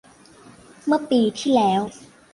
เมื่อปีที่แล้ว